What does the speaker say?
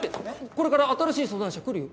これから新しい相談者来るよ！？